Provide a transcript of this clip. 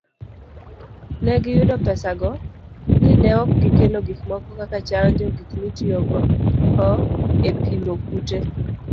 Ne giyudo pesago, ni neok gikelo gikmoko kaka chanjo, gik mitiyogo epimo kute